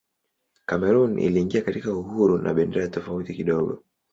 Kamerun iliingia katika uhuru na bendera tofauti kidogo.